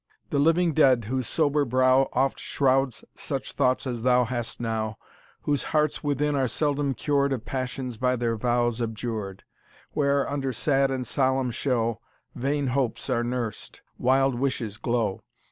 'The Living Dead, whose sober brow Oft shrouds such thoughts as thou hast now, Whose hearts within are seldom cured Of passions by their vows abjured; Where, under sad and solemn show, Vain hopes are nursed, wild wishes glow.